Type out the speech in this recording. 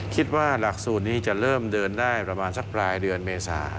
คิดว่าหลักสูตรนี้จะเริ่มเดินได้ประมาณสักปลายเดือนเมษา